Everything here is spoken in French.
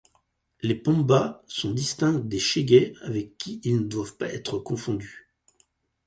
Les Pombas sont distincts des shegués avec qui ils ne doivent pas être confondus.